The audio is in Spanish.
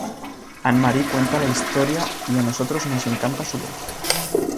Anne-Marie cuenta la historia y a nosotros nos encanta su voz.